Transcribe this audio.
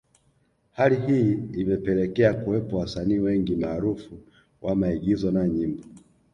Hali hii imepelekea kuwepo wasanii wengi maarufu wa maigizo na nyimbo